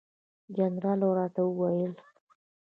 جنرال راته وویل.